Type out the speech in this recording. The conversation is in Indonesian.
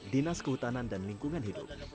dinas kehutanan dan lingkungan hidup